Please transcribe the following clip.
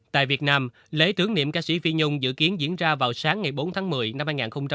tại việt nam lễ tướng niệm ca sĩ phi nhung dự kiến diễn ra vào sáng ngày bốn tháng một mươi năm hai nghìn hai mươi một